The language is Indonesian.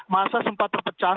masa sempat terpecah